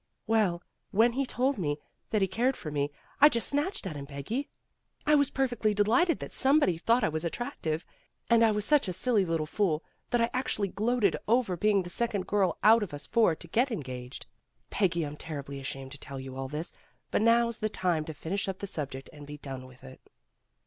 "Well, when he told me that he cared for me, I just snatched at him, Peggy. I was per 238 PEGGY RAYMOND'S WAY fectly delighted that somebody thought I was attractive. And I was such a silly little fool that I actually gloated over being the second girl out of us four to to get engaged. Peggy, I'm terribly ashamed to tell you all this, but now's the time to finish up the subject and be done with it.